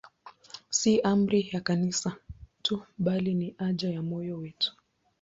Si amri ya Kanisa tu, bali ni haja ya moyo wetu.